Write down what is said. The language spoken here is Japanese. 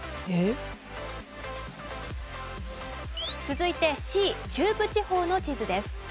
続いてＣ中部地方の地図です。